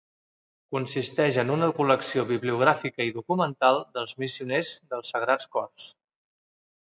Consisteix en una col·lecció bibliogràfica i documental dels missioners dels Sagrats Cors.